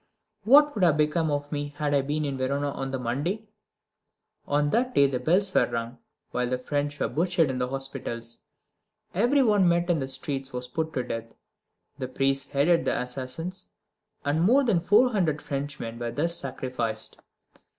What would have become of me had I been in Verona on the Monday? On that day the bells were rung, while the French were butchered in the hospitals. Every one met in the streets was put to death. The priests headed the assassins, and more than four hundred Frenchmen were thus sacrificed.